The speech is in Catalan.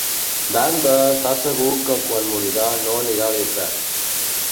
Dante està segur que quan morirà no anirà a l'infern.